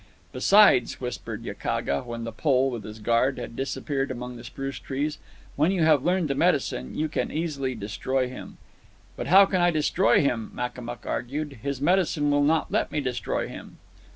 "Besides," whispered Yakaga, when the Pole, with his guard, had disappeared among the spruce trees, "when you have learned the medicine you can easily destroy him." "But how can I destroy him?" Makamuk argued. "His medicine will not let me destroy him."